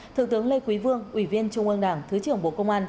thượng tướng lê quý vương ủy viên trung ương đảng thứ trưởng bộ công an